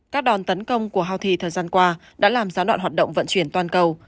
các đòn tấn công của houthi thời gian qua đã làm gián đoạn hoạt động vận chuyển toàn cầu